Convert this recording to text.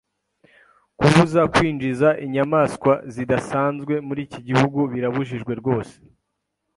Kubuza kwinjiza inyamaswa zidasanzwe muri iki gihugu birabujijwe rwose.